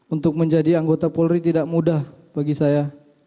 untuk menjadi anggota polri tidak mudah bagi saya